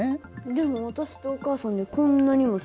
でも私とお母さんでこんなにも違う。